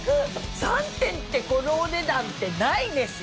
３点でこのお値段ってないですよ。